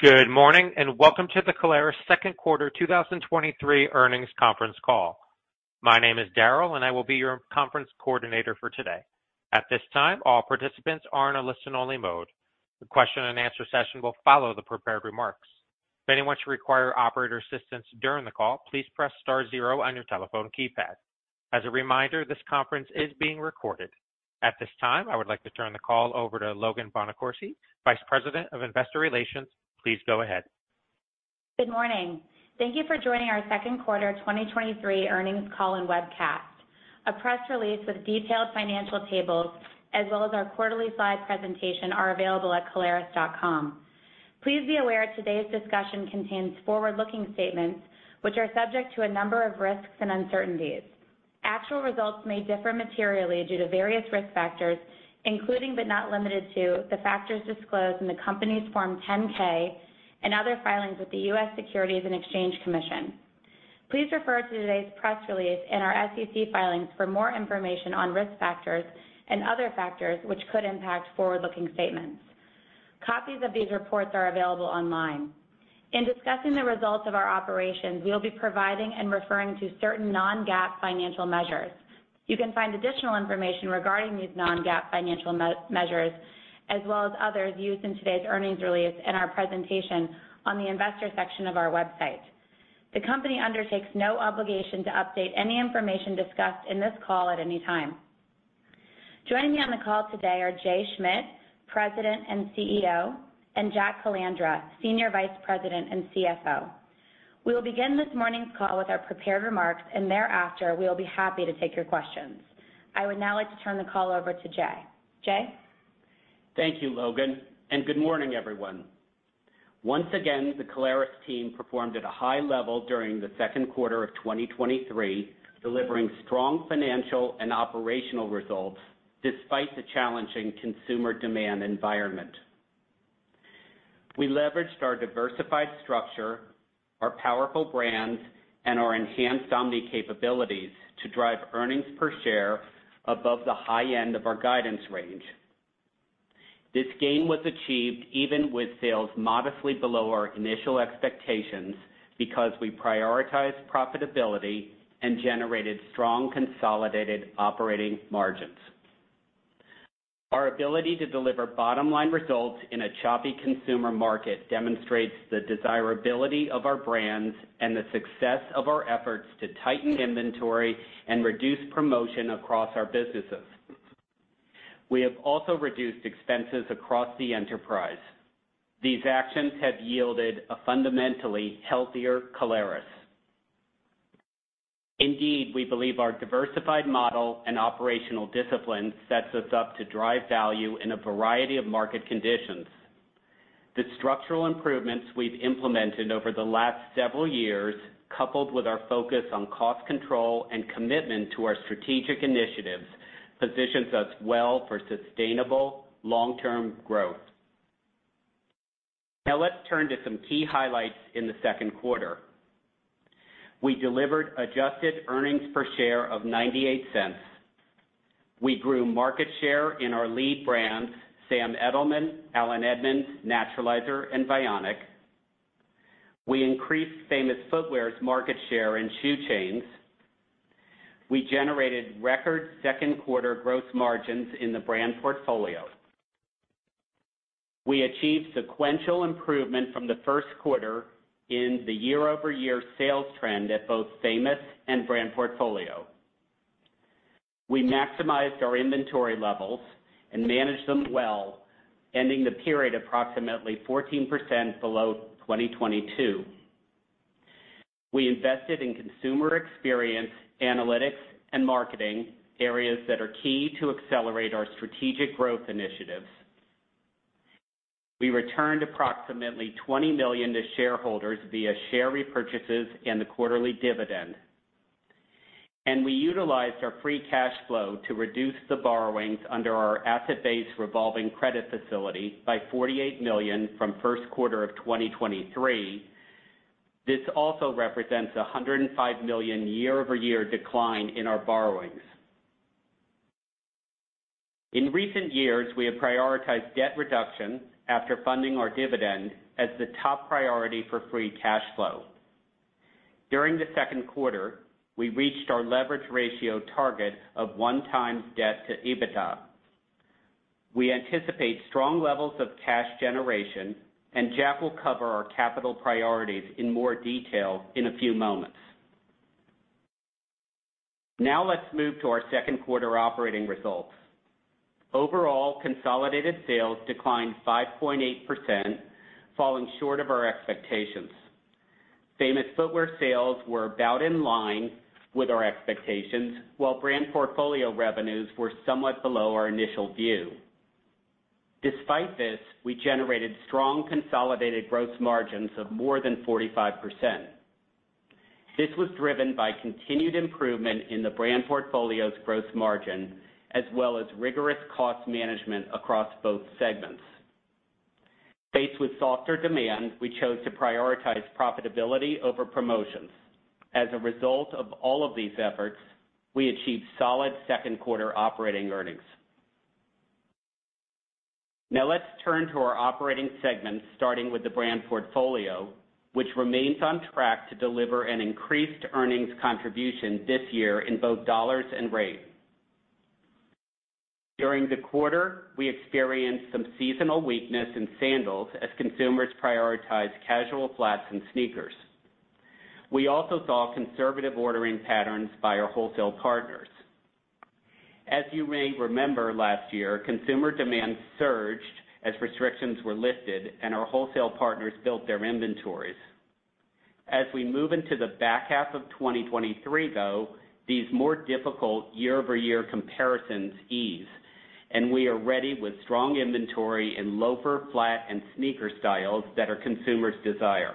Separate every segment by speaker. Speaker 1: Good morning, and welcome to the Caleres Second Quarter 2023 Earnings conference call. My name is Daryl, and I will be your conference coordinator for today. At this time, all participants are in a listen-only mode. The question-and-answer session will follow the prepared remarks. If anyone should require operator assistance during the call, please press star zero on your telephone keypad. As a reminder, this conference is being recorded. At this time, I would like to turn the call over to Logan Bonacorsi, Vice President of Investor Relations. Please go ahead.
Speaker 2: Good morning. Thank you for joining our Second Quarter 2023 Earnings call and webcast. A press release with detailed financial tables, as well as our quarterly slide presentation, are available at Caleres.com. Please be aware today's discussion contains forward-looking statements which are subject to a number of risks and uncertainties. Actual results may differ materially due to various risk factors, including, but not limited to, the factors disclosed in the company's Form 10-K and other filings with the U.S. Securities and Exchange Commission. Please refer to today's press release and our SEC filings for more information on risk factors and other factors which could impact forward-looking statements. Copies of these reports are available online. In discussing the results of our operations, we will be providing and referring to certain non-GAAP financial measures. You can find additional information regarding these non-GAAP financial measures, as well as others used in today's earnings release and our presentation on the investor section of our website. The company undertakes no obligation to update any information discussed in this call at any time. Joining me on the call today are Jay Schmidt, President and CEO, and Jack Calandra, Senior Vice President and CFO. We will begin this morning's call with our prepared remarks, and thereafter, we will be happy to take your questions. I would now like to turn the call over to Jay. Jay?
Speaker 3: Thank you, Logan, and good morning, everyone. Once again, the Caleres team performed at a high level during the second quarter of 2023, delivering strong financial and operational results despite the challenging consumer demand environment. We leveraged our diversified structure, our powerful brands, and our enhanced omni capabilities to drive earnings per share above the high end of our guidance range. This gain was achieved even with sales modestly below our initial expectations, because we prioritized profitability and generated strong consolidated operating margins. Our ability to deliver bottom-line results in a choppy consumer market demonstrates the desirability of our brands and the success of our efforts to tighten inventory and reduce promotion across our businesses. We have also reduced expenses across the enterprise. These actions have yielded a fundamentally healthier Caleres. Indeed, we believe our diversified model and operational discipline sets us up to drive value in a variety of market conditions. The structural improvements we've implemented over the last several years, coupled with our focus on cost control and commitment to our strategic initiatives, positions us well for sustainable long-term growth. Now let's turn to some key highlights in the second quarter. We delivered adjusted earnings per share of $0.98. We grew market share in our lead brands, Sam Edelman, Allen Edmonds, Naturalizer, and Vionic. We increased Famous Footwear's market share in shoe chains. We generated record second quarter gross margins in the brand portfolio. We achieved sequential improvement from the first quarter in the year-over-year sales trend at both Famous and brand portfolio. We maximized our inventory levels and managed them well, ending the period approximately 14% below 2022. We invested in consumer experience, analytics, and marketing, areas that are key to accelerate our strategic growth initiatives. We returned approximately $20 million to shareholders via share repurchases and the quarterly dividend. We utilized our free cash flow to reduce the borrowings under our asset-based revolving credit facility by $48 million from first quarter of 2023. This also represents a $105 million year-over-year decline in our borrowings. In recent years, we have prioritized debt reduction after funding our dividend as the top priority for free cash flow. During the second quarter, we reached our leverage ratio target of 1x debt to EBITDA. We anticipate strong levels of cash generation, and Jack will cover our capital priorities in more detail in a few moments. Now let's move to our second quarter operating results. Overall, consolidated sales declined 5.8%, falling short of our expectations. Famous Footwear sales were about in line with our expectations, while brand portfolio revenues were somewhat below our initial view. Despite this, we generated strong consolidated gross margins of more than 45%. This was driven by continued improvement in the brand portfolio's gross margin, as well as rigorous cost management across both segments. Faced with softer demand, we chose to prioritize profitability over promotions, as a result of all of these efforts, we achieved solid second quarter operating earnings. Now let's turn to our operating segments, starting with the brand portfolio, which remains on track to deliver an increased earnings contribution this year in both dollars and rate. During the quarter, we experienced some seasonal weakness in sandals as consumers prioritized casual flats and sneakers. We also saw conservative ordering patterns by our wholesale partners. As you may remember, last year, consumer demand surged as restrictions were lifted, and our wholesale partners built their inventories. As we move into the back half of 2023, though, these more difficult year-over-year comparisons ease, and we are ready with strong inventory in loafer, flat, and sneaker styles that our consumers desire.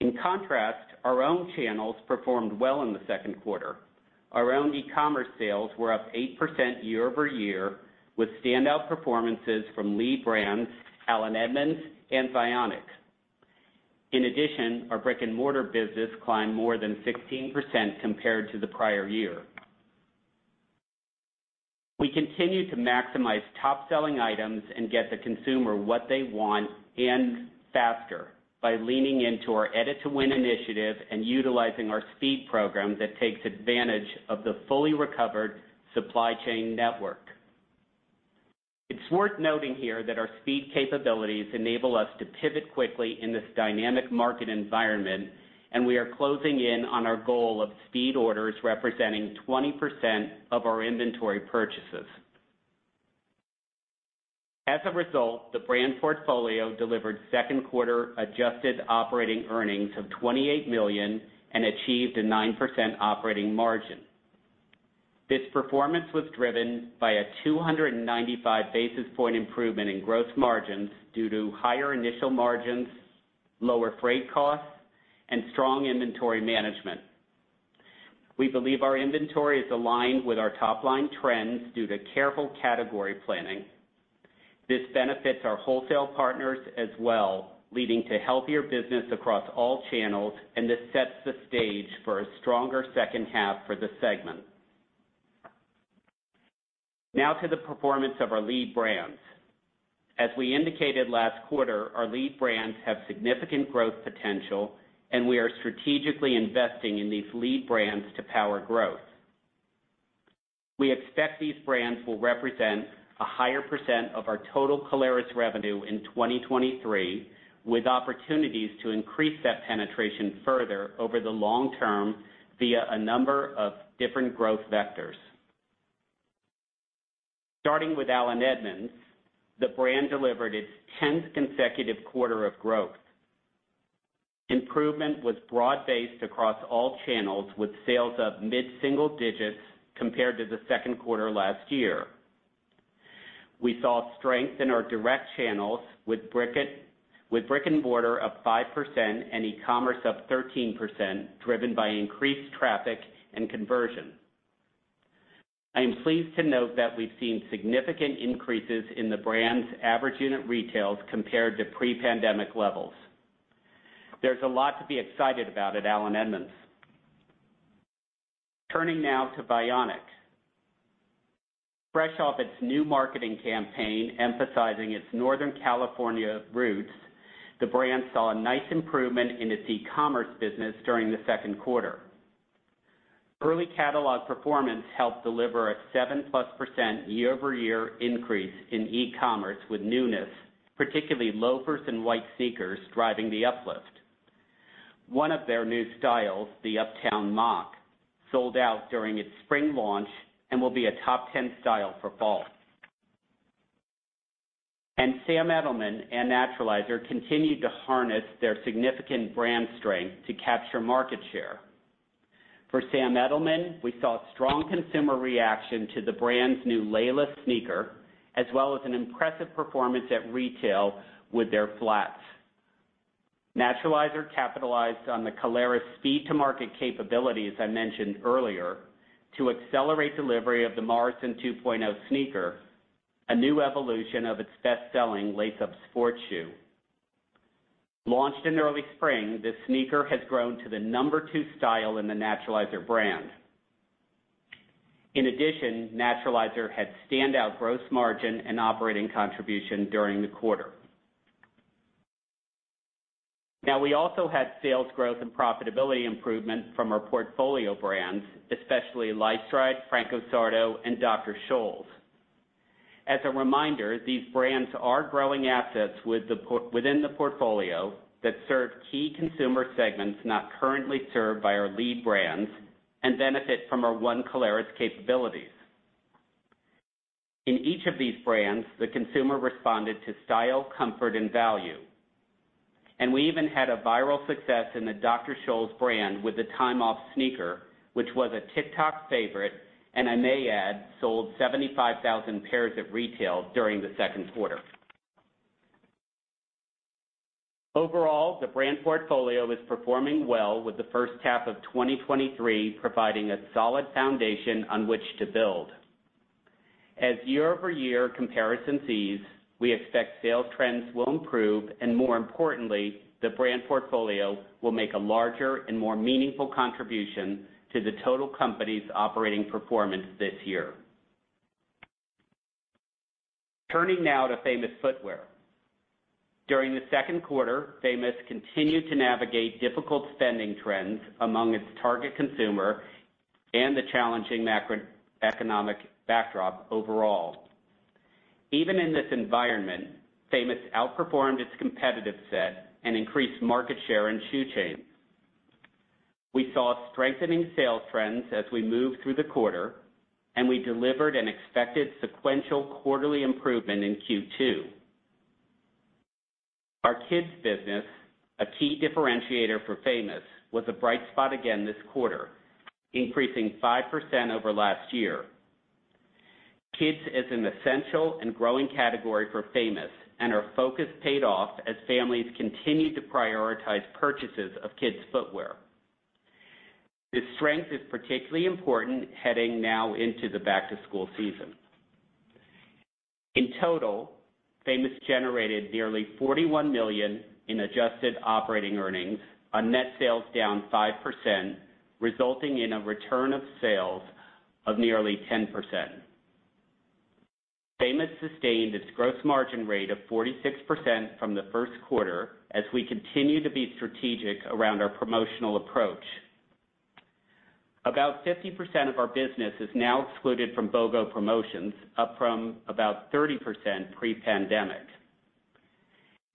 Speaker 3: In contrast, our own channels performed well in the second quarter. Our own e-commerce sales were up 8% year-over-year, with standout performances from lead brands Allen Edmonds and Vionic. In addition, our brick-and-mortar business climbed more than 16% compared to the prior year. We continue to maximize top-selling items and get the consumer what they want and faster by leaning into our Edit to Win initiative and utilizing our Speed Program that takes advantage of the fully recovered supply chain network. It's worth noting here that our speed capabilities enable us to pivot quickly in this dynamic market environment, and we are closing in on our goal of speed orders representing 20% of our inventory purchases. As a result, the brand portfolio delivered second quarter adjusted operating earnings of $28 million and achieved a 9% operating margin. This performance was driven by a 295 basis point improvement in gross margins due to higher initial margins, lower freight costs, and strong inventory management. We believe our inventory is aligned with our top-line trends due to careful category planning. This benefits our wholesale partners as well, leading to healthier business across all channels, and this sets the stage for a stronger second half for the segment. Now to the performance of our lead brands. As we indicated last quarter, our lead brands have significant growth potential, and we are strategically investing in these lead brands to power growth. We expect these brands will represent a higher percent of our total Caleres revenue in 2023, with opportunities to increase that penetration further over the long term via a number of different growth vectors. Starting with Allen Edmonds, the brand delivered its 10th consecutive quarter of growth. Improvement was broad-based across all channels, with sales up mid-single digits compared to the second quarter last year. We saw strength in our direct channels with brick-and-mortar up 5% and e-commerce up 13%, driven by increased traffic and conversion. I am pleased to note that we've seen significant increases in the brand's average unit retail compared to pre-pandemic levels. There's a lot to be excited about at Allen Edmonds. Turning now to Vionic. Fresh off its new marketing campaign, emphasizing its Northern California roots, the brand saw a nice improvement in its e-commerce business during the second quarter. Early catalog performance helped deliver a +7% year-over-year increase in e-commerce, with newness, particularly loafers and white sneakers, driving the uplift. One of their new styles, the Uptown Moc, sold out during its spring launch and will be a top 10 style for fall. And Sam Edelman and Naturalizer continued to harness their significant brand strength to capture market share. For Sam Edelman, we saw strong consumer reaction to the brand's new Layla sneaker, as well as an impressive performance at retail with their flats. Naturalizer capitalized on the Caleres' speed-to-market capabilities I mentioned earlier, to accelerate delivery of the Morrison 2.0 sneaker, a new evolution of its best-selling lace-up sports shoe. Launched in early spring, this sneaker has grown to the number 2 style in the Naturalizer brand. In addition, Naturalizer had standout gross margin and operating contribution during the quarter. Now, we also had sales growth and profitability improvement from our portfolio brands, especially LifeStride, Franco Sarto, and Dr. Scholl's. As a reminder, these brands are growing assets within the portfolio that serve key consumer segments not currently served by our lead brands and benefit from our one Caleres capabilities. In each of these brands, the consumer responded to style, comfort, and value, and we even had a viral success in the Dr. Scholl's brand with the Time Off sneaker, which was a TikTok favorite, and I may add, sold 75,000 pairs at retail during the second quarter. Overall, the brand portfolio is performing well, with the first half of 2023 providing a solid foundation on which to build... as year-over-year comparison ease, we expect sales trends will improve, and more importantly, the brand portfolio will make a larger and more meaningful contribution to the total company's operating performance this year. Turning now to Famous Footwear. During the second quarter, Famous continued to navigate difficult spending trends among its target consumer and the challenging macroeconomic backdrop overall. Even in this environment, Famous outperformed its competitive set and increased market share in shoe chains. We saw strengthening sales trends as we moved through the quarter, and we delivered an expected sequential quarterly improvement in Q2. Our kids business, a key differentiator for Famous, was a bright spot again this quarter, increasing 5% over last year. Kids is an essential and growing category for Famous, and our focus paid off as families continued to prioritize purchases of kids' footwear. This strength is particularly important heading now into the back-to-school season. In total, Famous generated nearly $41 million in adjusted operating earnings on net sales down 5%, resulting in a return on sales of nearly 10%. Famous sustained its gross margin rate of 46% from the first quarter as we continue to be strategic around our promotional approach. About 50% of our business is now excluded from BOGO promotions, up from about 30% pre-pandemic.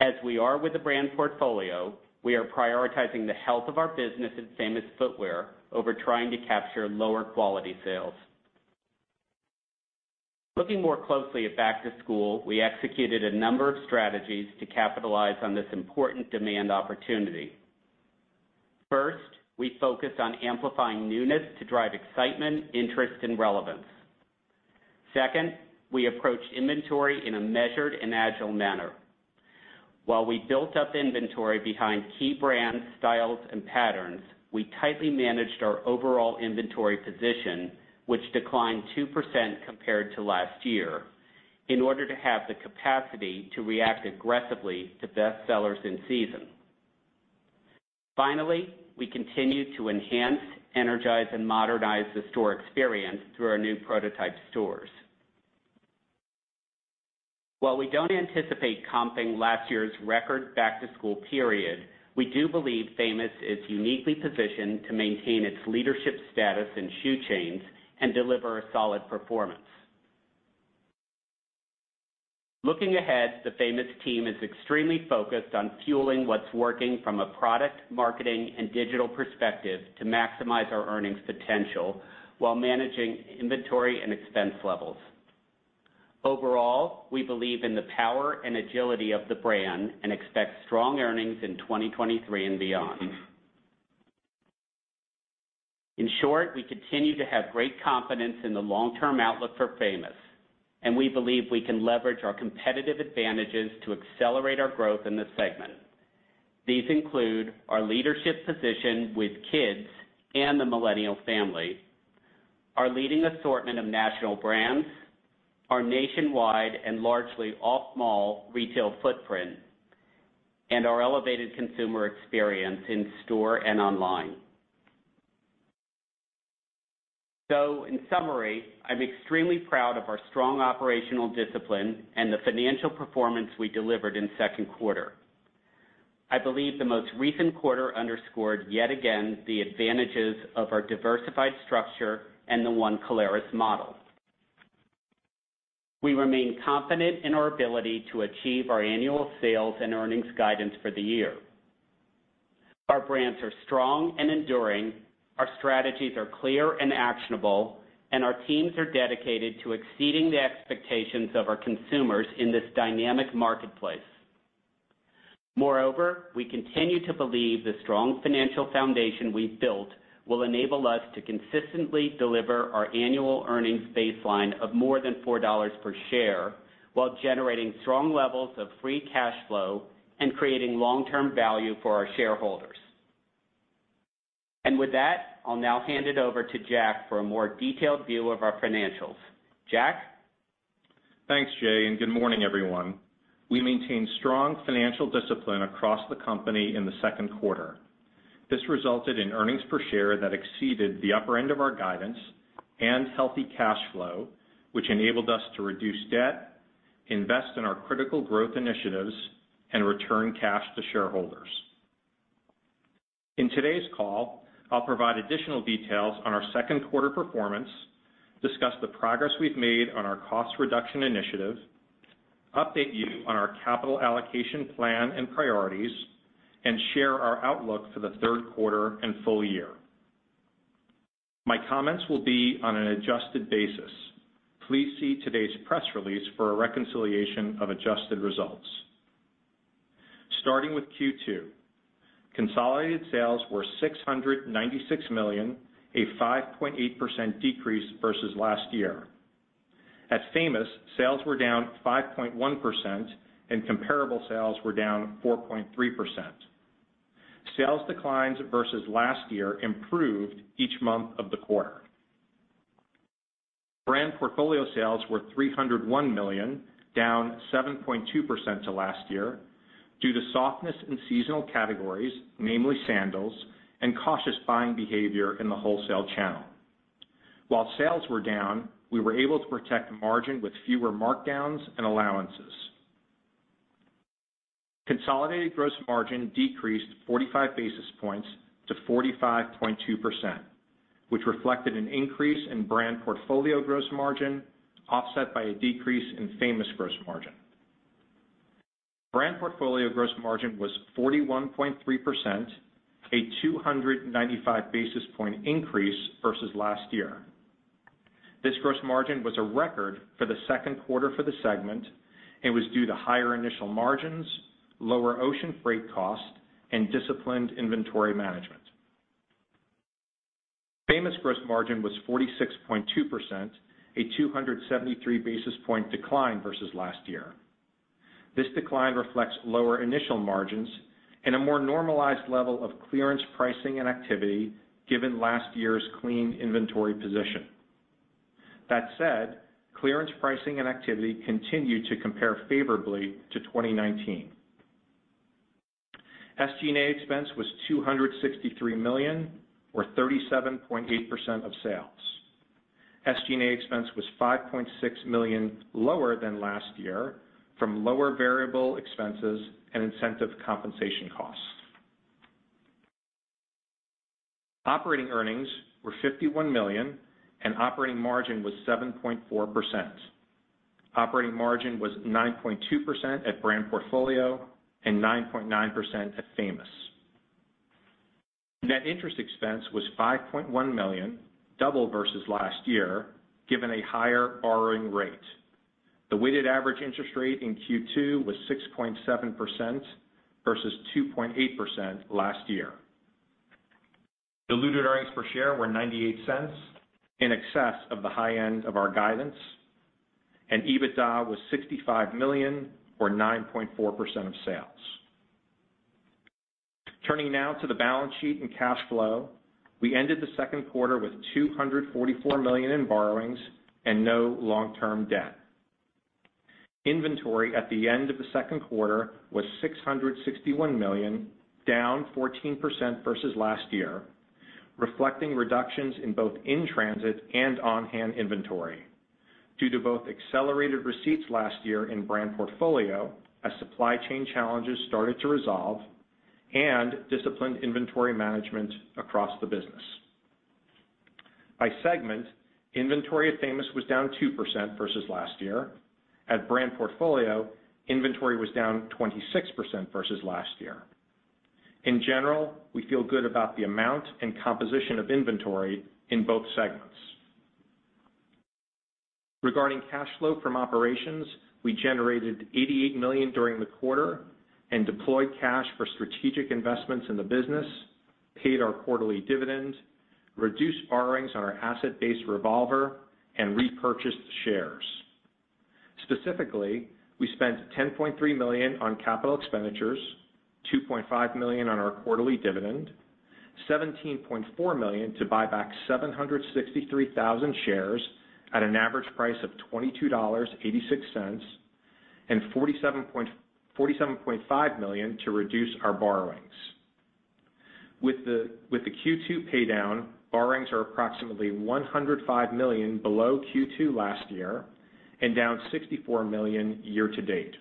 Speaker 3: As we are with the brand portfolio, we are prioritizing the health of our business in Famous Footwear over trying to capture lower quality sales. Looking more closely at back-to-school, we executed a number of strategies to capitalize on this important demand opportunity. First, we focused on amplifying newness to drive excitement, interest, and relevance. Second, we approached inventory in a measured and agile manner. While we built up inventory behind key brands, styles, and patterns, we tightly managed our overall inventory position, which declined 2% compared to last year, in order to have the capacity to react aggressively to bestsellers in season. Finally, we continued to enhance, energize, and modernize the store experience through our new prototype stores. While we don't anticipate comping last year's record back-to-school period, we do believe Famous is uniquely positioned to maintain its leadership status in shoe chains and deliver a solid performance. Looking ahead, the Famous team is extremely focused on fueling what's working from a product, marketing, and digital perspective to maximize our earnings potential while managing inventory and expense levels. Overall, we believe in the power and agility of the brand and expect strong earnings in 2023 and beyond. In short, we continue to have great confidence in the long-term outlook for Famous, and we believe we can leverage our competitive advantages to accelerate our growth in this segment. These include our leadership position with kids and the millennial family, our leading assortment of national brands, our nationwide and largely off-mall retail footprint, and our elevated consumer experience in store and online. In summary, I'm extremely proud of our strong operational discipline and the financial performance we delivered in second quarter. I believe the most recent quarter underscored, yet again, the advantages of our diversified structure and the one Caleres model. We remain confident in our ability to achieve our annual sales and earnings guidance for the year. Our brands are strong and enduring, our strategies are clear and actionable, and our teams are dedicated to exceeding the expectations of our consumers in this dynamic marketplace. Moreover, we continue to believe the strong financial foundation we've built will enable us to consistently deliver our annual earnings baseline of more than $4 per share, while generating strong levels of free cash flow and creating long-term value for our shareholders. With that, I'll now hand it over to Jack for a more detailed view of our financials. Jack?
Speaker 4: Thanks, Jay, and good morning, everyone. We maintained strong financial discipline across the company in the second quarter. This resulted in earnings per share that exceeded the upper end of our guidance and healthy cash flow, which enabled us to reduce debt, invest in our critical growth initiatives, and return cash to shareholders. In today's call, I'll provide additional details on our second quarter performance, discuss the progress we've made on our cost reduction initiative, update you on our capital allocation plan and priorities, and share our outlook for the third quarter and full year. My comments will be on an adjusted basis. Please see today's press release for a reconciliation of adjusted results. Starting with Q2, consolidated sales were $696 million, a 5.8% decrease versus last year. At Famous, sales were down 5.1%, and comparable sales were down 4.3%. Sales declines versus last year improved each month of the quarter. Brand portfolio sales were $301 million, down 7.2% to last year, due to softness in seasonal categories, namely sandals and cautious buying behavior in the wholesale channel. While sales were down, we were able to protect margin with fewer markdowns and allowances. Consolidated gross margin decreased 45 basis points to 45.2%, which reflected an increase in brand portfolio gross margin, offset by a decrease in Famous gross margin. Brand portfolio gross margin was 41.3%, a 295 basis point increase versus last year. This gross margin was a record for the second quarter for the segment and was due to higher initial margins, lower ocean freight costs, and disciplined inventory management. Famous gross margin was 46.2%, a 273 basis point decline versus last year. This decline reflects lower initial margins and a more normalized level of clearance pricing and activity, given last year's clean inventory position. That said, clearance pricing and activity continued to compare favorably to 2019. SG&A expense was $263 million, or 37.8% of sales. SG&A expense was $5.6 million lower than last year from lower variable expenses and incentive compensation costs. Operating earnings were $51 million, and operating margin was 7.4%. Operating margin was 9.2% at brand portfolio and 9.9% at Famous. Net interest expense was $5.1 million, double versus last year, given a higher borrowing rate. The weighted average interest rate in Q2 was 6.7% versus 2.8% last year. Diluted earnings per share were $0.98, in excess of the high end of our guidance, and EBITDA was $65 million, or 9.4% of sales. Turning now to the balance sheet and cash flow. We ended the second quarter with $244 million in borrowings and no long-term debt. Inventory at the end of the second quarter was $661 million, down 14% versus last year, reflecting reductions in both in-transit and on-hand inventory due to both accelerated receipts last year in brand portfolio as supply chain challenges started to resolve and disciplined inventory management across the business. By segment, inventory at Famous was down 2% versus last year. At brand portfolio, inventory was down 26% versus last year. In general, we feel good about the amount and composition of inventory in both segments. Regarding cash flow from operations, we generated $88 million during the quarter and deployed cash for strategic investments in the business, paid our quarterly dividend, reduced borrowings on our asset-based revolver, and repurchased shares. Specifically, we spent $10.3 million on capital expenditures, $2.5 million on our quarterly dividend, $17.4 million to buy back 763,000 shares at an average price of $22.86, and $47.5 million to reduce our borrowings. With the Q2 paydown, borrowings are approximately $105 million below Q2 last year and down $64 million year to date.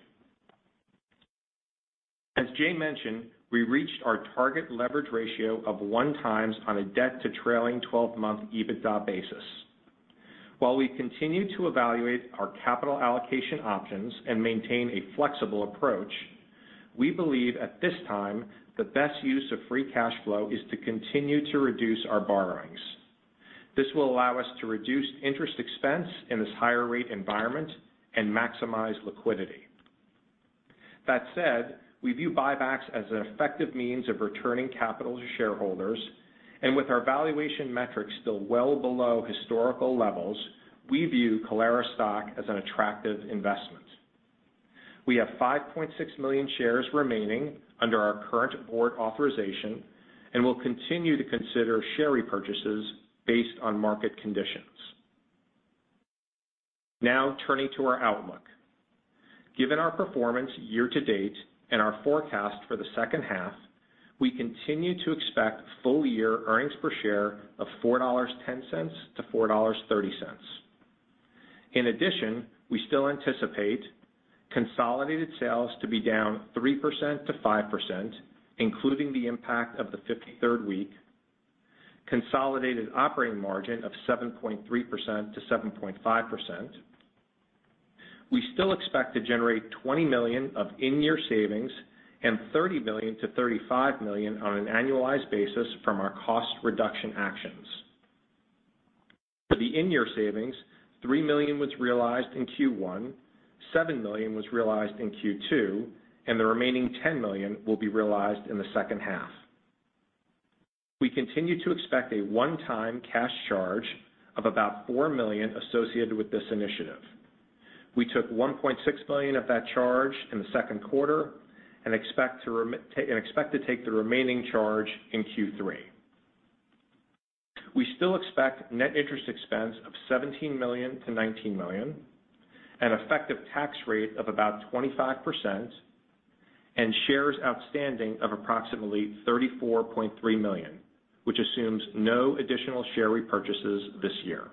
Speaker 4: As Jay mentioned, we reached our target leverage ratio of 1x on a debt to trailing 12-month EBITDA basis. While we continue to evaluate our capital allocation options and maintain a flexible approach, we believe at this time, the best use of free cash flow is to continue to reduce our borrowings. This will allow us to reduce interest expense in this higher rate environment and maximize liquidity. That said, we view buybacks as an effective means of returning capital to shareholders, and with our valuation metrics still well below historical levels, we view Caleres stock as an attractive investment. We have 5.6 million shares remaining under our current board authorization, and we'll continue to consider share repurchases based on market conditions. Now, turning to our outlook. Given our performance year to date and our forecast for the second half, we continue to expect full-year earnings per share of $4.10-$4.30. In addition, we still anticipate consolidated sales to be down 3%-5%, including the impact of the fifty-third week, consolidated operating margin of 7.3%-7.5%. We still expect to generate $20 million of in-year savings and $30 million-$35 million on an annualized basis from our cost reduction actions. For the in-year savings, $3 million was realized in Q1, $7 million was realized in Q2, and the remaining $10 million will be realized in the second half. We continue to expect a one-time cash charge of about $4 million associated with this initiative. We took $1.6 million of that charge in the second quarter and expect to take the remaining charge in Q3. We still expect net interest expense of $17 million-$19 million, an effective tax rate of about 25%, and shares outstanding of approximately 34.3 million, which assumes no additional share repurchases this year.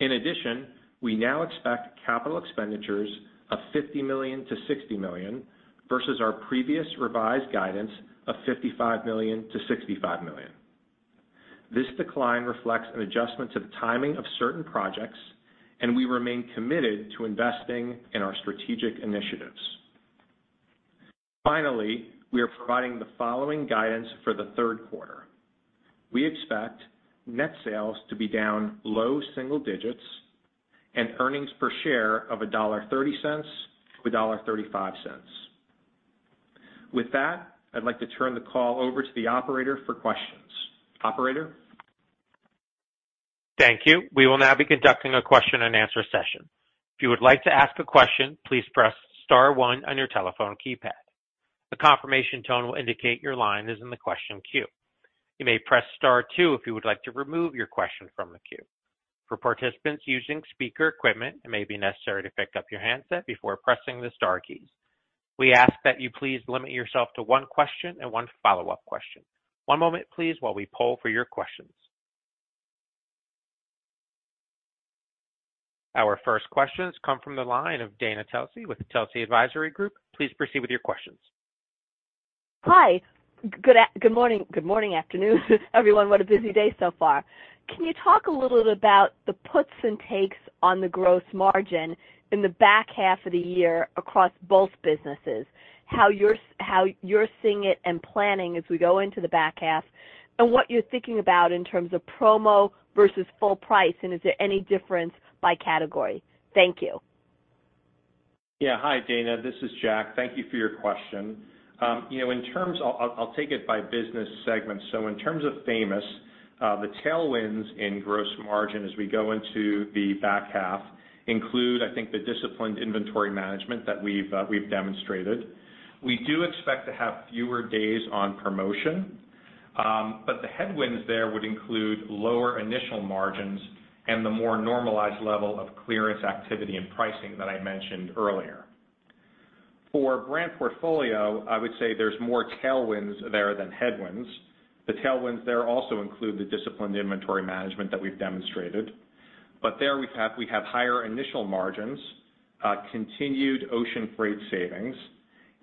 Speaker 4: In addition, we now expect capital expenditures of $50 million-$60 million versus our previous revised guidance of $55 million-$65 million. This decline reflects an adjustment to the timing of certain projects, and we remain committed to investing in our strategic initiatives. Finally, we are providing the following guidance for the third quarter. We expect net sales to be down low single digits and earnings per share of $1.30-$1.35. With that, I'd like to turn the call over to the operator for questions. Operator?
Speaker 1: Thank you. We will now be conducting a question-and-answer session. If you would like to ask a question, please press star one on your telephone keypad. A confirmation tone will indicate your line is in the question queue. You may press star two if you would like to remove your question from the queue. For participants using speaker equipment, it may be necessary to pick up your handset before pressing the star keys. We ask that you please limit yourself to one question and one follow-up question. One moment, please, while we poll for your questions. Our first questions come from the line of Dana Telsey with Telsey Advisory Group. Please proceed with your questions.
Speaker 5: Hi, good morning. Good morning, afternoon, everyone. What a busy day so far. Can you talk a little bit about the puts and takes on the growth margin in the back half of the year across both businesses? How you're seeing it and planning as we go into the back half, and what you're thinking about in terms of promo versus full price, and is there any difference by category? Thank you.
Speaker 4: Yeah. Hi, Dana. This is Jack. Thank you for your question. You know, in terms... I'll take it by business segment. So in terms of Famous, the tailwinds in gross margin as we go into the back half include, I think, the disciplined inventory management that we've demonstrated. We do expect to have fewer days on promotion, but the headwinds there would include lower initial margins and the more normalized level of clearance activity and pricing that I mentioned earlier. For brand portfolio, I would say there's more tailwinds there than headwinds. The tailwinds there also include the disciplined inventory management that we've demonstrated. But there we have higher initial margins, continued ocean freight savings,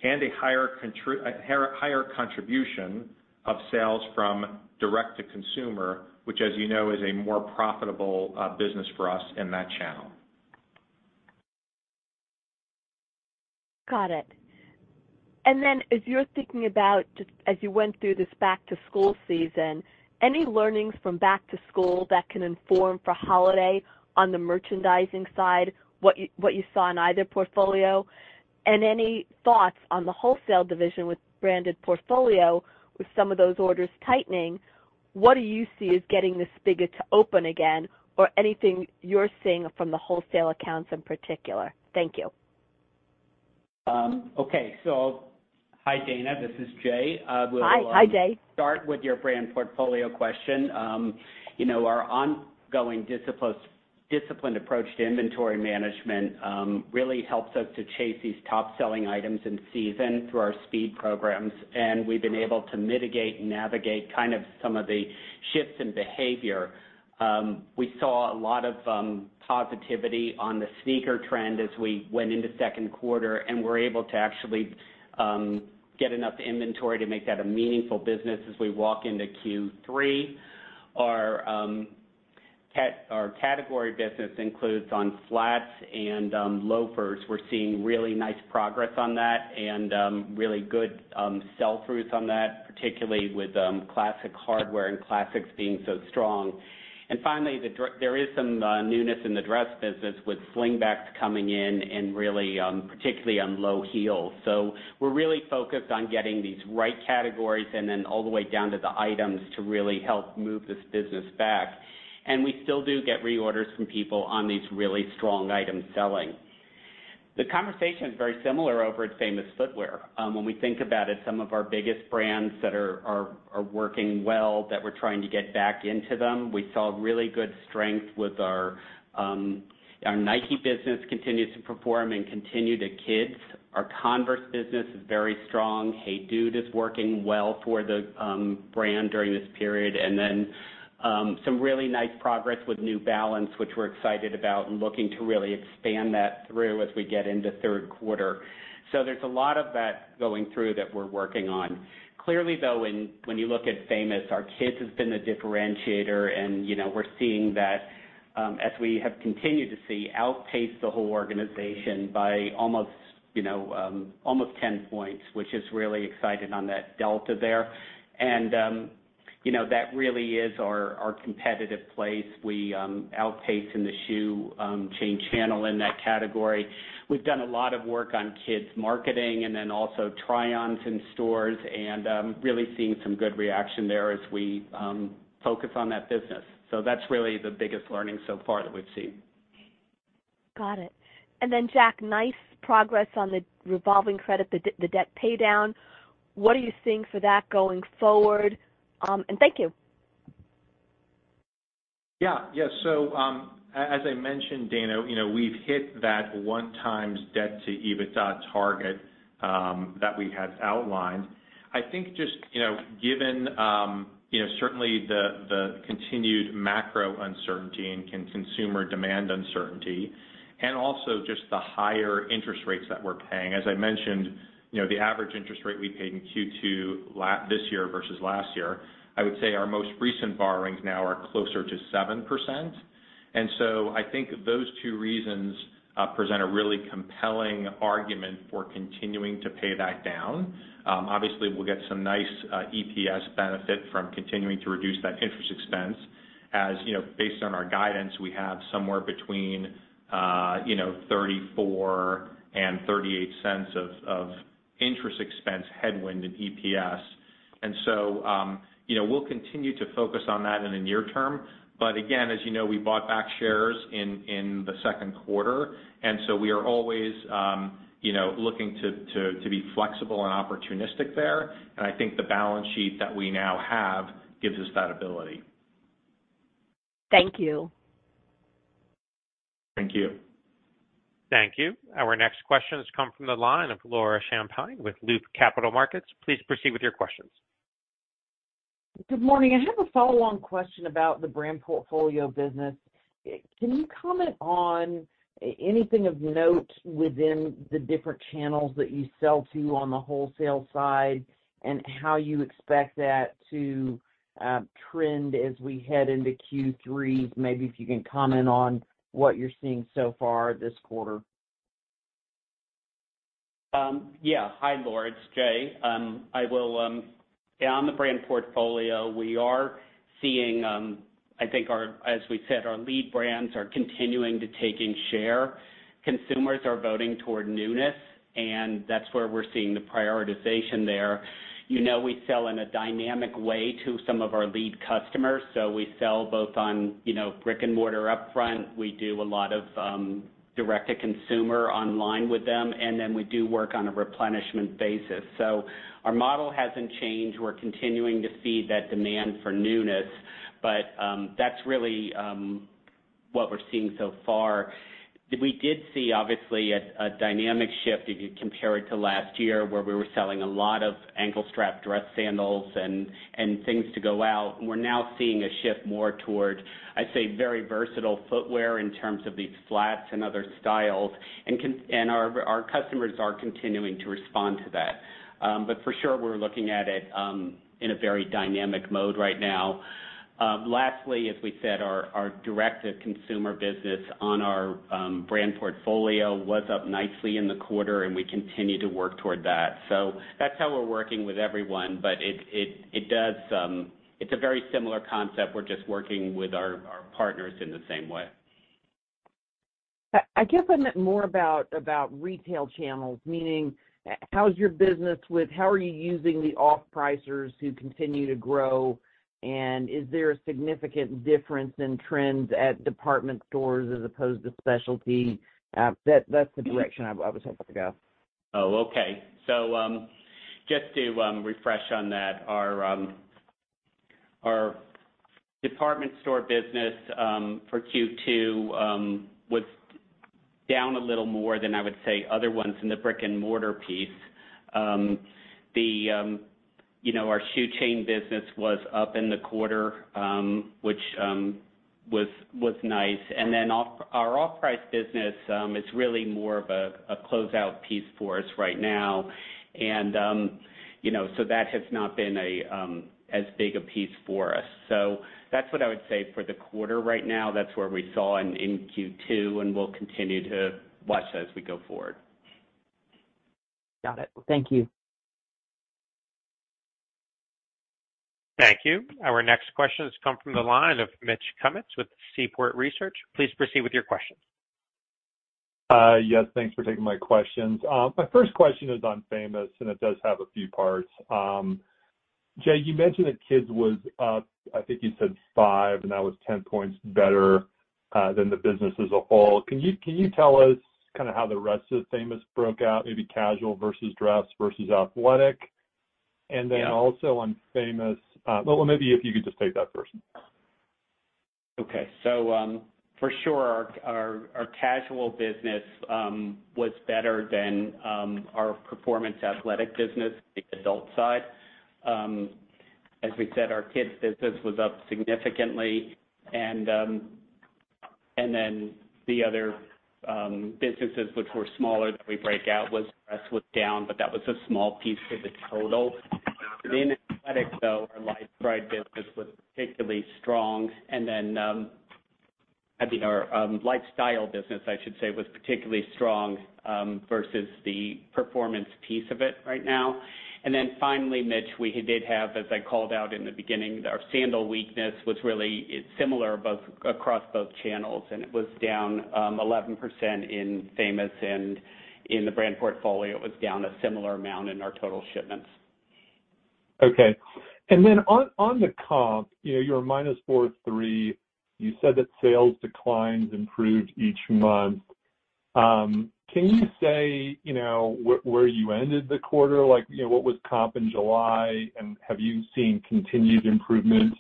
Speaker 4: and a higher contribution of sales from direct-to-consumer, which, as you know, is a more profitable business for us in that channel.
Speaker 5: Got it. Then as you're thinking about just as you went through this back-to-school season, any learnings from back to school that can inform for holiday on the merchandising side, what you, what you saw in either portfolio? And any thoughts on the wholesale division with branded portfolio, with some of those orders tightening, what do you see as getting the spigot to open again, or anything you're seeing from the wholesale accounts in particular? Thank you.
Speaker 3: Okay. Hi, Dana, this is Jay. We'll-
Speaker 5: Hi. Hi, Jay.
Speaker 3: Start with your brand portfolio question. You know, our ongoing disciplined approach to inventory management really helps us to chase these top-selling items in season through our speed programs, and we've been able to mitigate and navigate kind of some of the shifts in behavior. We saw a lot of positivity on the sneaker trend as we went into second quarter, and we're able to actually get enough inventory to make that a meaningful business as we walk into Q3. Our category business includes on flats and loafers. We're seeing really nice progress on that and really good sell-throughs on that, particularly with classic hardware and classics being so strong. And finally, there is some newness in the dress business with slingbacks coming in and really, particularly on low heels. So we're really focused on getting these right categories and then all the way down to the items to really help move this business back. And we still do get reorders from people on these really strong items selling. The conversation is very similar over at Famous Footwear. When we think about it, some of our biggest brands that are working well, that we're trying to get back into them. We saw really good strength with our Nike business continues to perform and continue to kids. Our Converse business is very strong. Hey Dude is working well for the brand during this period. And then, some really nice progress with New Balance, which we're excited about and looking to really expand that through as we get into third quarter. So there's a lot of that going through that we're working on. Clearly, though, when you look at Famous, our kids has been the differentiator, and, you know, we're seeing that, as we have continued to see, outpace the whole organization by almost, you know, almost 10 points, which is really exciting on that delta there. And, you know, that really is our competitive place. We outpace in the shoe chain channel in that category. We've done a lot of work on kids' marketing, and then also try-ons in stores, and really seeing some good reaction there as we focus on that business. So that's really the biggest learning so far that we've seen.
Speaker 5: Got it. And then, Jack, nice progress on the revolving credit, the debt paydown. What are you seeing for that going forward? And thank you.
Speaker 4: Yeah. Yeah. So, as I mentioned, Dana, you know, we've hit that 1x debt to EBITDA target that we had outlined. I think just, you know, given you know, certainly the continued macro uncertainty and consumer demand uncertainty, and also just the higher interest rates that we're paying. As I mentioned, you know, the average interest rate we paid in Q2 this year versus last year, I would say our most recent borrowings now are closer to 7%. And so I think those two reasons present a really compelling argument for continuing to pay that down. Obviously, we'll get some nice EPS benefit from continuing to reduce that interest expense. As you know, based on our guidance, we have somewhere between $0.34 and $0.38 of interest expense headwind in EPS. You know, we'll continue to focus on that in the near term. But again, as you know, we bought back shares in the second quarter, and so we are always, you know, looking to be flexible and opportunistic there. And I think the balance sheet that we now have gives us that ability.
Speaker 5: Thank you.
Speaker 4: Thank you.
Speaker 1: Thank you. Our next question has come from the line of Laura Champine with Loop Capital Markets. Please proceed with your questions.
Speaker 6: Good morning. I have a follow-on question about the brand portfolio business. Can you comment on anything of note within the different channels that you sell to on the wholesale side, and how you expect that to trend as we head into Q3? Maybe if you can comment on what you're seeing so far this quarter.
Speaker 3: Yeah. Hi, Laura, it's Jay. I will... Yeah, on the brand portfolio, we are seeing, I think our—as we said, our lead brands are continuing to taking share. Consumers are voting toward newness, and that's where we're seeing the prioritization there. You know, we sell in a dynamic way to some of our lead customers, so we sell both on, you know, brick and mortar upfront. We do a lot of direct-to-consumer online with them, and then we do work on a replenishment basis. So our model hasn't changed. We're continuing to see that demand for newness, but that's really what we're seeing so far. We did see, obviously, a dynamic shift if you compare it to last year, where we were selling a lot of ankle strap dress sandals and things to go out. And we're now seeing a shift more toward, I'd say, very versatile footwear in terms of these flats and other styles, and our customers are continuing to respond to that. But for sure, we're looking at it in a very dynamic mode right now. Lastly, as we said, our direct-to-consumer business on our brand portfolio was up nicely in the quarter, and we continue to work toward that. So that's how we're working with everyone, but it does, it's a very similar concept. We're just working with our partners in the same way.
Speaker 6: I guess I meant more about retail channels, meaning how are you using the off-pricers who continue to grow? And is there a significant difference in trends at department stores as opposed to specialty? That's the direction I was hoping to go.
Speaker 3: Oh, okay. So, just to refresh on that, our department store business for Q2 was down a little more than I would say other ones in the brick-and-mortar piece. You know, our shoe chain business was up in the quarter, which was nice. And then our off-price business is really more of a closeout piece for us right now. You know, so that has not been as big a piece for us. So that's what I would say for the quarter right now. That's where we saw in Q2, and we'll continue to watch that as we go forward.
Speaker 6: Got it. Thank you.
Speaker 1: Thank you. Our next question has come from the line of Mitch Kummetz with Seaport Research. Please proceed with your question.
Speaker 7: Yes, thanks for taking my questions. My first question is on Famous, and it does have a few parts. Jay, you mentioned that kids was up, I think you said five, and that was 10 points better than the business as a whole. Can you, can you tell us kind of how the rest of the Famous broke out, maybe casual versus dress versus athletic?
Speaker 3: Yeah.
Speaker 7: And then also on Famous. Well, maybe if you could just take that first.
Speaker 3: Okay. So, for sure, our casual business was better than our performance athletic business, the adult side. As we said, our kids business was up significantly, and then the other businesses, which were smaller, that we break out, dress was down, but that was a small piece of the total.
Speaker 7: Got it.
Speaker 3: Within athletics, though, our LifeStride business was particularly strong. And then, I mean, our lifestyle business, I should say, was particularly strong versus the performance piece of it right now. And then finally, Mitch, we did have, as I called out in the beginning, our sandal weakness was really, it's similar both across both channels, and it was down 11% in Famous, and in the brand portfolio, it was down a similar amount in our total shipments.
Speaker 7: Okay. Then on the comps, you know, you're -43. You said that sales declines improved each month. Can you say, you know, where you ended the quarter? Like, you know, what was comps in July, and have you seen continued improvement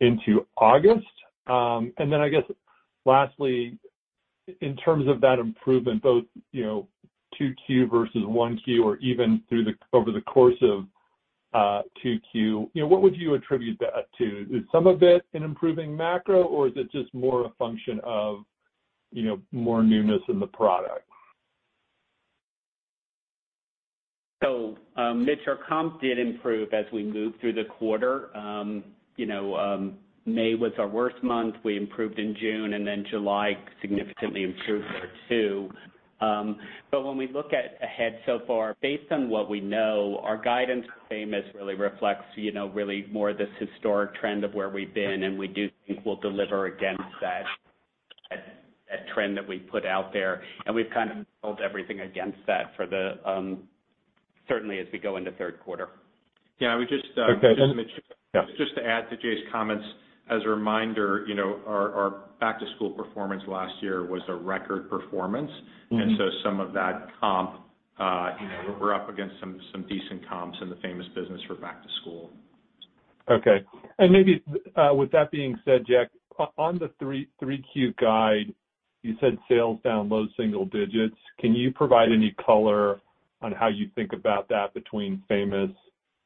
Speaker 7: into August? And then I guess, lastly, in terms of that improvement, both, you know, 2Q versus 1Q, or even over the course of 2Q, you know, what would you attribute that to? Is some of it an improving macro, or is it just more a function of, you know, more newness in the product?
Speaker 3: So, Mitch, our comp did improve as we moved through the quarter. You know, May was our worst month. We improved in June, and then July significantly improved there, too. But when we look at ahead so far, based on what we know, our guidance for Famous really reflects, you know, really more this historic trend of where we've been, and we do think we'll deliver against that, that, that trend that we've put out there. And we've kind of built everything against that for the, certainly as we go into third quarter.
Speaker 4: Yeah, I would just,
Speaker 7: Okay. Just-
Speaker 4: Mitch, just to add to Jay's comments, as a reminder, you know, our back-to-school performance last year was a record performance.
Speaker 7: Mm-hmm.
Speaker 4: And so some of that comp, you know, we're up against some, some decent comps in the Famous business for back to school.
Speaker 7: Okay. Maybe, with that being said, Jack, on the 3Q guide, you said sales down low single digits. Can you provide any color on how you think about that between Famous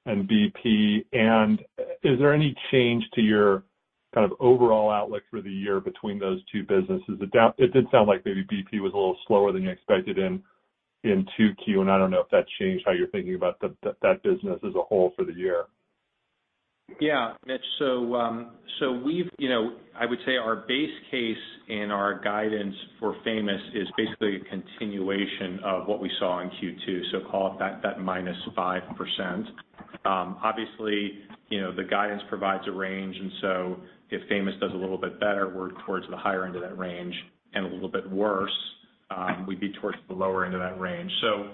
Speaker 7: and BP? And is there any change to your kind of overall outlook for the year between those two businesses? It did sound like maybe BP was a little slower than you expected in 2Q, and I don't know if that changed how you're thinking about that business as a whole for the year.
Speaker 4: Yeah, Mitch. So, we've you know, I would say our base case and our guidance for Famous is basically a continuation of what we saw in Q2, so call it that -5%. Obviously, you know, the guidance provides a range, and so if Famous does a little bit better, we're towards the higher end of that range, and a little bit worse, we'd be towards the lower end of that range. So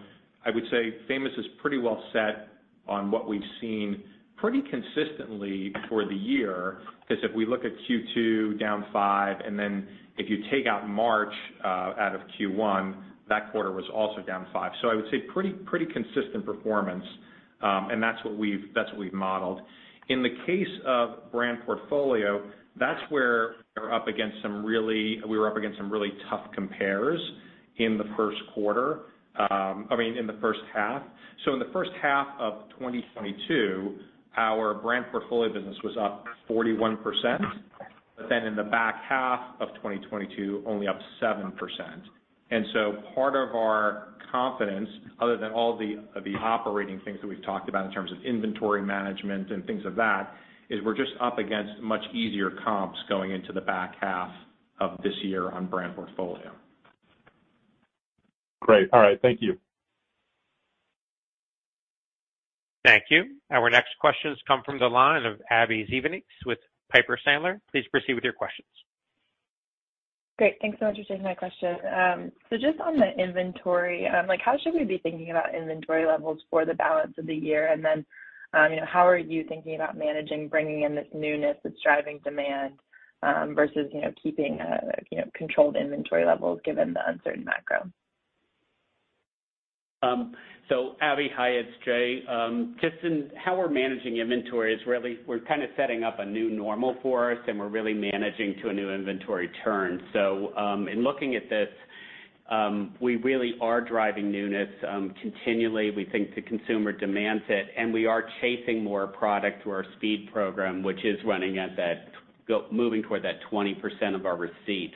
Speaker 4: I would say Famous is pretty well set on what we've seen pretty consistently for the year, because if we look at Q2, down five, and then if you take out March out of Q1, that quarter was also down five. So I would say pretty, pretty consistent performance, and that's what we've, that's what we've modeled. In the case of brand portfolio, that's where we're up against some really tough compares in the first quarter, I mean, in the first half. So in the first half of 2022, our brand portfolio business was up 41%, but then in the back half of 2022, only up 7%. And so part of our confidence, other than all the operating things that we've talked about in terms of inventory management and things of that, is we're just up against much easier comps going into the back half of this year on brand portfolio.
Speaker 7: Great. All right. Thank you.
Speaker 1: Thank you. Our next questions come from the line of Abbie Zvejnieks with Piper Sandler. Please proceed with your questions.
Speaker 8: Great. Thanks so much for taking my question. So just on the inventory, like, how should we be thinking about inventory levels for the balance of the year? And then, you know, how are you thinking about managing, bringing in this newness that's driving demand, versus, you know, keeping, you know, controlled inventory levels given the uncertain macro?
Speaker 3: So, Abbie, hi, it's Jay. Just in how we're managing inventory is really we're kind of setting up a new normal for us, and we're really managing to a new inventory turn. So, in looking at this, we really are driving newness continually. We think the consumer demands it, and we are chasing more product through our Speed Program, which is running at that goal, moving toward 20% of our receipts.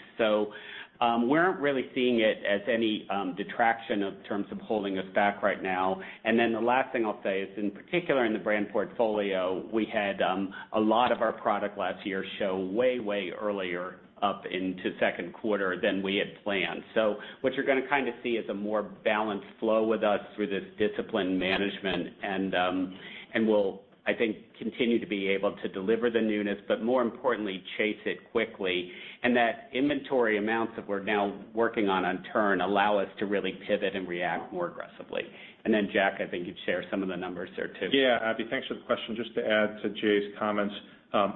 Speaker 3: So, we're not really seeing it as any detraction in terms of holding us back right now. And then the last thing I'll say is, in particular, in the brand portfolio, we had a lot of our product last year show way, way earlier up into second quarter than we had planned. So what you're gonna kind of see is a more balanced flow with us through this disciplined management, and we'll, I think, continue to be able to deliver the newness, but more importantly, chase it quickly. And that inventory amounts that we're now working on turn allow us to really pivot and react more aggressively. And then, Jack, I think you'd share some of the numbers there, too.
Speaker 4: Yeah, Abbie, thanks for the question. Just to add to Jay's comments,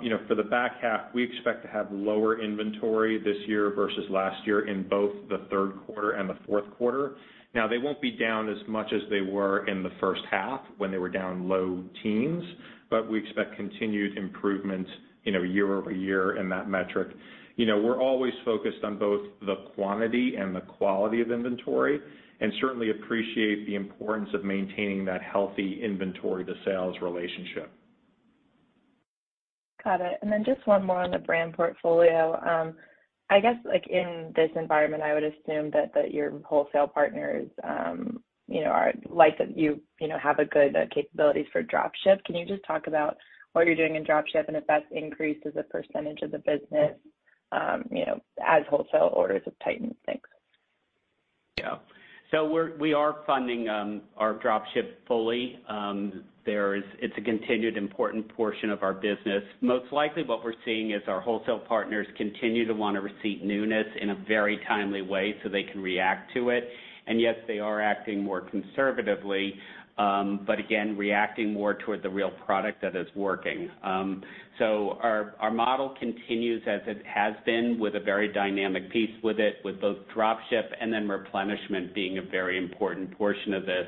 Speaker 4: you know, for the back half, we expect to have lower inventory this year versus last year in both the third quarter and the fourth quarter. Now, they won't be down as much as they were in the first half, when they were down low teens, but we expect continued improvement, you know, year-over-year in that metric. You know, we're always focused on both the quantity and the quality of inventory, and certainly appreciate the importance of maintaining that healthy inventory-to-sales relationship.
Speaker 8: Got it. And then just one more on the brand portfolio. I guess, like, in this environment, I would assume that your wholesale partners, you know, are like that you, you know, have a good capabilities for Dropship. Can you just talk about what you're doing in drop ship and if that's increased as a percentage of the business, you know, as wholesale orders have tightened? Thanks.
Speaker 3: Yeah. So we are funding our drop ship fully. It's a continued important portion of our business. Most likely, what we're seeing is our wholesale partners continue to want to receive newness in a very timely way, so they can react to it. And yes, they are acting more conservatively, but again, reacting more toward the real product that is working. So our model continues as it has been with a very dynamic piece with it, with both drop ship and then replenishment being a very important portion of this.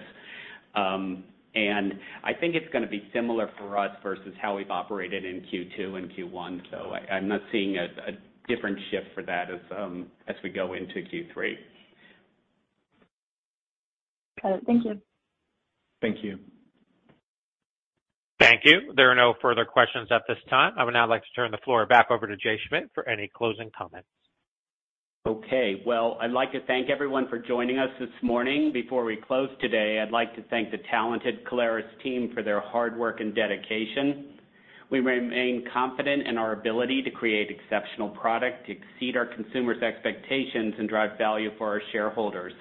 Speaker 3: And I think it's gonna be similar for us versus how we've operated in Q2 and Q1, so I'm not seeing a different shift for that as we go into Q3.
Speaker 8: Got it. Thank you.
Speaker 4: Thank you.
Speaker 1: Thank you. There are no further questions at this time. I would now like to turn the floor back over to Jay Schmidt for any closing comments.
Speaker 3: Okay. Well, I'd like to thank everyone for joining us this morning. Before we close today, I'd like to thank the talented Caleres team for their hard work and dedication. We remain confident in our ability to create exceptional product, to exceed our consumers' expectations, and drive value for our shareholders.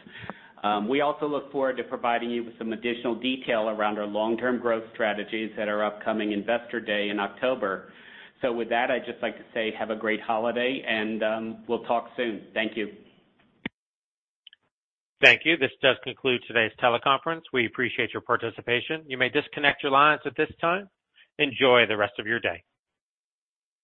Speaker 3: We also look forward to providing you with some additional detail around our long-term growth strategies at our upcoming Investor Day in October. So with that, I'd just like to say have a great holiday and, we'll talk soon. Thank you.
Speaker 1: Thank you. This does conclude today's teleconference. We appreciate your participation. You may disconnect your lines at this time. Enjoy the rest of your day.